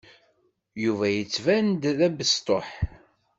Yuba yettban-d d abesṭuḥ.